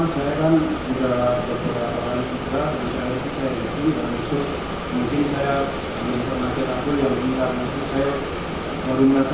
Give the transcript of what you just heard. saya berharap saya bisa mencetak gol dan mungkin saya akan mencetak gol yang lebih baik